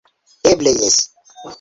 - Eble, jes!